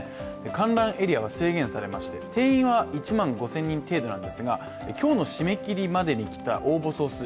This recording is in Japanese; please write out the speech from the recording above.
観覧エリアは制限されまして定員は１万５０００人程度なんですが今日の締め切りまでにきた応募総数